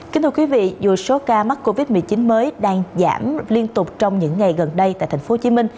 kính thưa quý vị dù số ca mắc covid một mươi chín mới đang giảm liên tục trong những ngày gần đây tại tp hcm